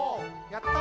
やった！